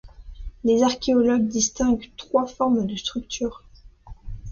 Les archéologues distinguent trois formes de structures.